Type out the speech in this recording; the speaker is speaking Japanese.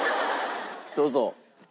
どうぞ。